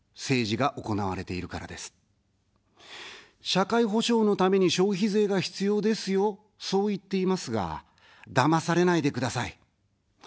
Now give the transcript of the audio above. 社会保障のために消費税が必要ですよ、そう言っていますが、だまされないでください。